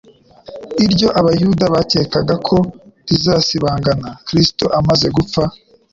iryo Abayuda bakekaga ko rizasibangana Kristo amaze gupfa.